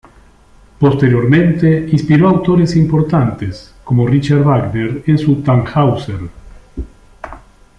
Posteriormente inspiró a autores importantes, como Richard Wagner en su Tannhäuser.